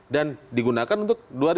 dan digunakan untuk dua ribu sembilan belas